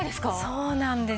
そうなんですよ。